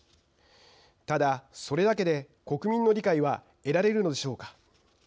ただ、それだけで国民の理解は得られるのでしょうか。